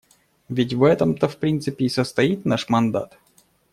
Ведь в этом-то в принципе и состоит наш мандат.